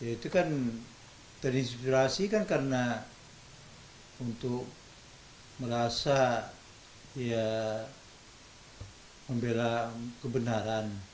itu kan terinspirasi kan karena untuk merasa ya membela kebenaran